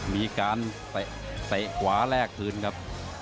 มีการเตะขวาแลกคืนครับ